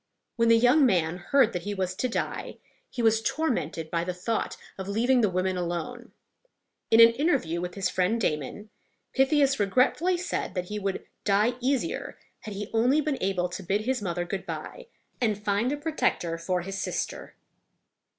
When the young man heard that he was to die, he was tormented by the thought of leaving the women alone. In an interview with his friend Damon, Pythias regretfully said that he would die easier had he only been able to bid his mother good by and find a protector for his sister.